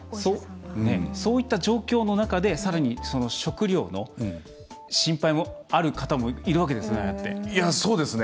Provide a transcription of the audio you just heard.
そういった状況の中でさらに食料の心配もある方もいるわけですよね。